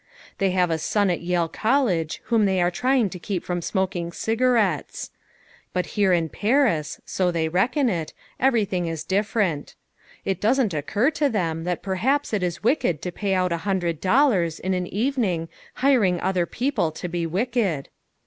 They have a son at Yale College whom they are trying to keep from smoking cigarettes. But here in Paris, so they reckon it, everything is different. It doesn't occur to them that perhaps it is wicked to pay out a hundred dollars in an evening hiring other people to be wicked.